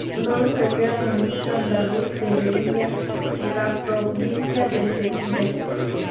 Su nombre se refiere al municipio andaluz de Lebrija, en la provincia de Sevilla.